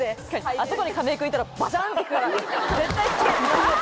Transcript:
あそこに亀井君いたらバシャンって行くから絶対危険あ！